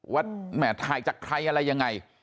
แหม่ถ่ายจากใครอะไรยังไง